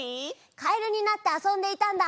かえるになってあそんでいたんだ！